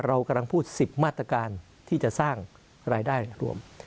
เรากำลังพูด๑๐มาตรการที่จะสร้างรายได้รวม